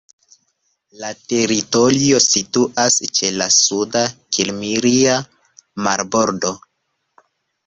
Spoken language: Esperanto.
La teritorio situas ĉe la Sud-Kimria marbordo.